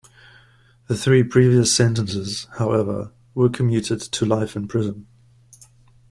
The three previous sentences, however, were commuted to life in prison.